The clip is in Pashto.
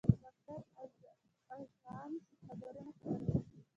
باختر اژانس خبرونه خپروي